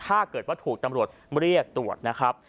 ถ้าเกิดว่าถูกตำรวจเรียกตรวจนะครับ